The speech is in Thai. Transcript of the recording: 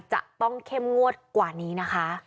จะต้องเข้มงวดกว่านี้นะคะ